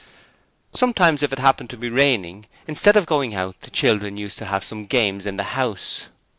Sometimes, if it happened to be raining, instead of going out the children used to have some games in the house.